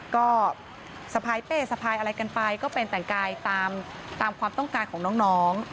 ก็สะพายเป้สะพายอะไรกันไปก็เป็นแต่งกายตามความต้องการของน้อง